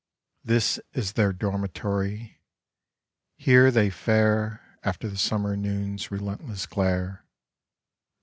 This is their dormitory; here they fare After the Summer noon's relentless glare.